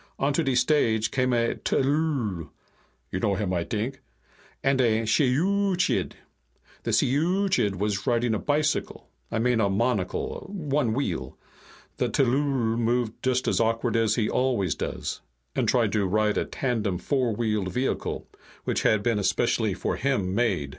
Onto de stage came a tllooll (you know him, I t'ink), and a shiyooch'iid. The shiyooch'iid was riding a bicycle I mean a monocle. One wheel. The tllooll moved just as awkward as he always does, and tried to ride a tandem four wheeled vehicle which had been especially for him made."